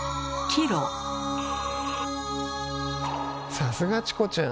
さすがチコちゃん。